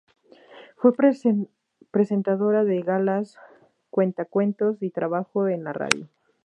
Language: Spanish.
Fue presentadora de galas, cuentacuentos y trabajó en la radio.